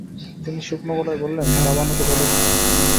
তিনি শুকনো গলায় বললেন, চা বানাতে বলে এসেছি।